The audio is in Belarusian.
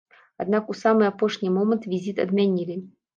Аднак у самы апошні момант візіт адмянілі.